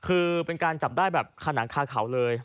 คือเป็นการจับได้แบบขนังคาเขาเลย